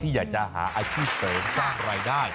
อยากจะหาอาชีพเสริมสร้างรายได้